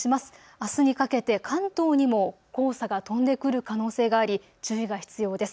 あすにかけて関東にも黄砂が飛んでくる可能性があり注意が必要です。